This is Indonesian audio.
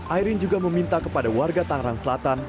airin juga meminta kepada warga tangerang selatan